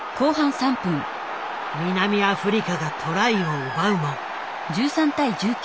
南アフリカがトライを奪うも。